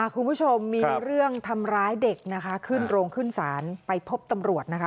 คุณผู้ชมมีเรื่องทำร้ายเด็กนะคะขึ้นโรงขึ้นศาลไปพบตำรวจนะคะ